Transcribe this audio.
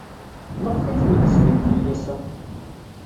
Maɣef ay tneggzem imekli ass-a?